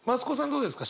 どうですか？